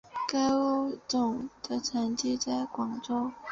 该物种的模式产地在广州。